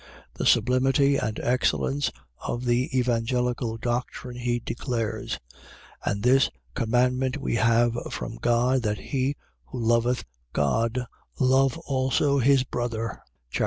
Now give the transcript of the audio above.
The sublimity and excellence of the evangelical doctrine he declares: And this commandment we have from God, that he, who loveth God, love also his brother (chap.